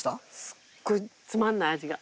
すごいつまんない味が。